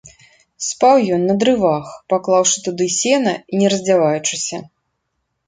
Спаў ён на дрывах, паклаўшы туды сена і не раздзяваючыся.